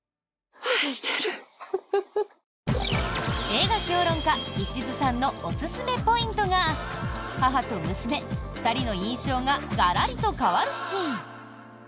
映画評論家、石津さんのおすすめポイントが母と娘、２人の印象がガラリと変わるシーン。